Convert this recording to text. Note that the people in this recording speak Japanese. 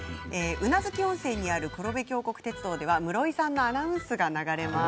宇奈月温泉にある鉄道では室井さんのアナウンサーが流れています。